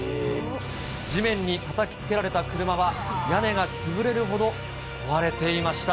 地面にたたきつけられた車は、屋根が潰れるほど壊れていました。